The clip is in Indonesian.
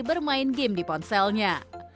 bermain game di ponselnya